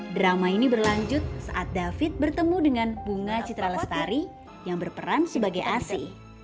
drama ini berlanjut saat david bertemu dengan bunga citra lestari yang berperan sebagai asi